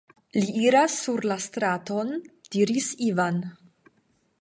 Li iras sur la straton, diris Ivan.